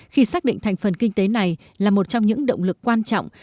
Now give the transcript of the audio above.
khi xác định thành phần kinh tế này là một trong những động lực quan trọng